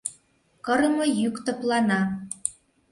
Кырыме йӱк тыплана.